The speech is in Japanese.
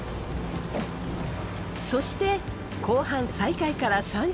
そして後半再開から３０分。